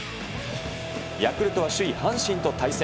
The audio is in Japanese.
ヤクルトは首位阪神と対戦。